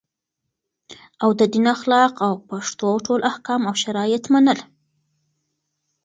او د دین اخلاق او پښتو ټول احکام او شرایط منل